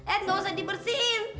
eh gak usah dibersihin